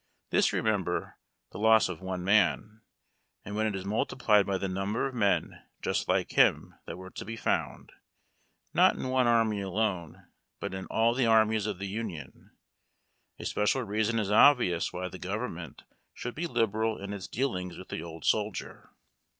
This, remember, the loss of one man ; and when it is multiplied by the number of men just like liim that were to be found, not in one army alone but in all the armies of the Union, a special reason is obvious why the government sliould be liberal in its dealings with the old soldier.